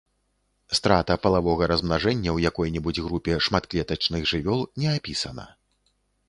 Страта палавога размнажэння ў якой-небудзь групе шматклетачных жывёл не апісана.